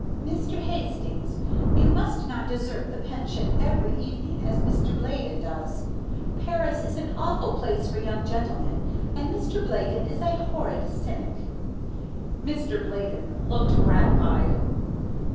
"Mr. Hastings, you must not desert the pension every evening as Mr. Bladen does. Paris is an awful place for young gentlemen, and Mr. Bladen is a horrid cynic." Mr. Bladen looked gratified.